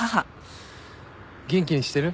元気にしてる？